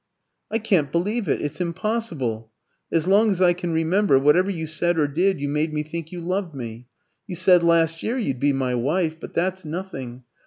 "I can't believe it! It's impossible! As long as I can remember, whatever you said or did, you made me think you loved me. You said last year you'd be my wife; but that's nothing.